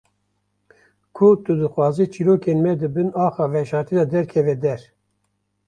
Ku tu dixwazî çîrokên me di bin axa veşartî de derkeve der.